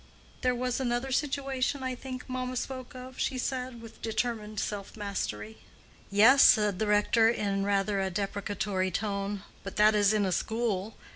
"There was another situation, I think, mamma spoke of?" she said, with determined self mastery. "Yes," said the rector, in rather a deprecatory tone; "but that is in a school.